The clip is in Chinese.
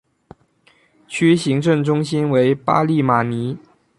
区行政中心为巴利马尼。